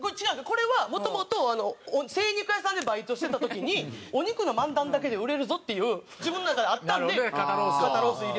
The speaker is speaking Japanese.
これはもともと精肉屋さんでバイトしてた時にお肉の漫談だけで売れるぞっていう自分の中であったんで「肩ロース」を入れて。